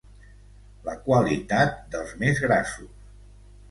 La qualitat dels més grassos.